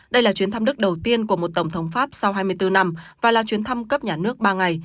đây là chuyến thăm đức đầu tiên của một tổng thống pháp sau hai mươi bốn năm và là chuyến thăm cấp nhà nước ba ngày